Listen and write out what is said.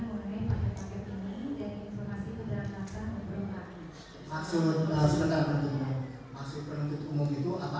berbicara kepada video saya